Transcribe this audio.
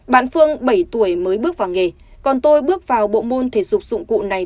bạn phương bảy tuổi mới bước vào nghề còn tôi bước vào bộ môn thể dục dụng cụ này